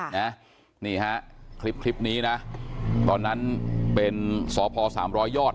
นี่ฮะคลิปคลิปนี้นะตอนนั้นเป็นสพสามร้อยยอด